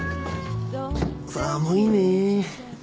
寒いね。